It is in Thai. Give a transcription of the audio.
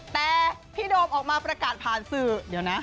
แต่พี่โดมออกมาประกาศผ่านสื่อเดี๋ยวนะ